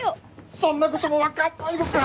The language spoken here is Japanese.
そんなことも分かんないのか！